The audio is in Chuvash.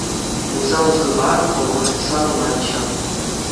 Усал хыпар хӑвӑрт сарӑлать ҫав.